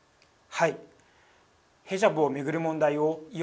はい。